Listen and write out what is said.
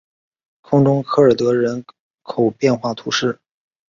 空中科尔德人口变化图示